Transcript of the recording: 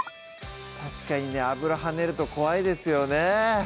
確かにね油跳ねると怖いですよね